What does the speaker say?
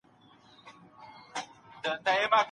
نوښتګر خلګ په ژوند کي بریالي دي.